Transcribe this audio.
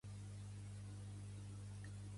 Què hi fas tu aquí, nas de mocs?